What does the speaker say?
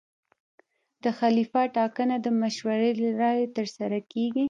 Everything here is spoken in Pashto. د خلیفه ټاکنه د مشورې له لارې ترسره کېږي.